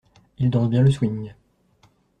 Il danse bien le swing.